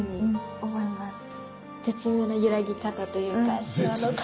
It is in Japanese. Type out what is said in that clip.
絶妙な揺らぎ方というかしわの感じ。